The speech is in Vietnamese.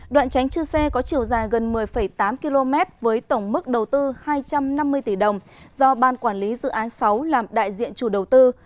đoạn tránh chư sê có chiều dài gần một mươi tám km với tổng mức đầu tư hai trăm năm mươi tỷ đồng do ban quản lý dự án sáu làm đại diện chủ đầu tư